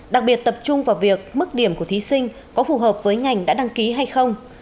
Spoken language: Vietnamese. đặc biệt tập trung vào việc mức điểm của thí sinh có phù hợp với ngành đã đăng ký hay không